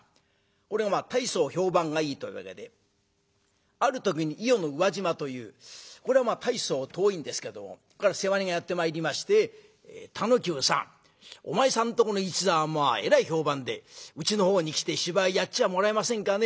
これがまあ大層評判がいいというわけである時に伊予の宇和島というこれは大層遠いんですけどもここから世話人がやって参りまして「田能久さんお前さんとこの一座はえらい評判でうちのほうに来て芝居やっちゃもらえませんかね。